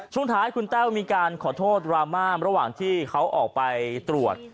ช่วงท้ายคุณแต้วมีการขอโทษดราม่าระหว่างที่เขาออกไปตรวจ